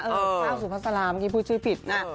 คุณก้าวสุภาษาลาเมื่อกี้พูดชื่อผิดนะ